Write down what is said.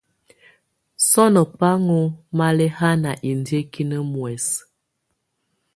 Sɔnɔ̀ bà ɔ́ŋ malɛ̀hana indiǝ́kinǝ muɛsɛ.